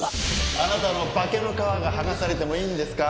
あなたの化けの皮が剥がされてもいいんですか？